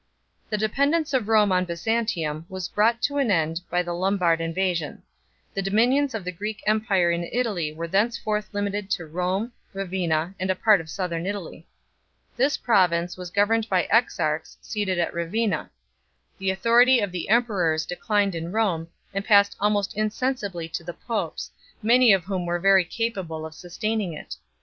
The dependence of Rome on Byzantium was brought to an end by the Lombard invasion. The dominions of the Greek empire in Italy were thenceforth limited to Rome, Ravenna, and a part of southern Italy. This pro vince was governed by exarchs seated at Ravenna ; the authority of the emperors declined in Rome, and passed almost insensibly to the popes, many of whom were very capable of sustaining it.